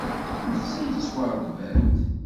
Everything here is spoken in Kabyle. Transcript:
Netta yettwaṛebba-d.